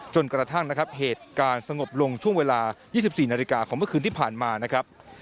จนกระทั่งนะครับเหตุการณ์สงบลงช่วงเวลา๒๔นาฬิกาของเมื่อคืนที่ผ่านมานะครับ